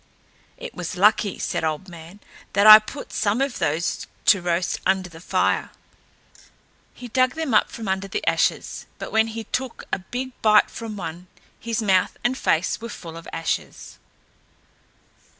"It was lucky," said Old Man, "that I put some of those to roast under the fire." He dug them up from under the ashes, but when he took a big bite from one, his mouth and face were full of ashes.